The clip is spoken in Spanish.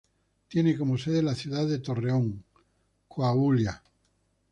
Tiene como sede la ciudad de Torreón, Coahuila.